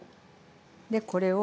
でこれを。